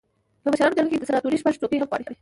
په مشرانو جرګه کې د سناتورۍ شپږ څوکۍ هم غواړي.